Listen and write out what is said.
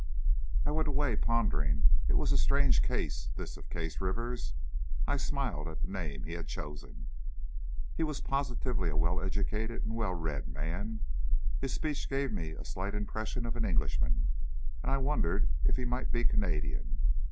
I went away, pondering. It was a strange case, this of Case Rivers. I smiled at the name he had chosen. He was positively a well educated and well read man. His speech gave me a slight impression of an Englishman, and I wondered if he might be Canadian.